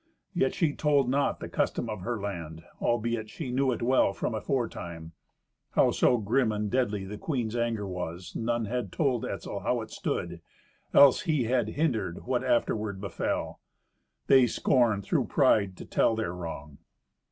Yet she told not the custom of her land, albeit she knew it well from aforetime. Howso grim and deadly the queen's anger was, none had told Etzel how it stood, else he had hindered what afterward befell. They scorned, through pride, to tell their wrong.